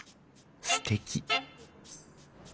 すてき！